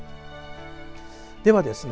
ではですね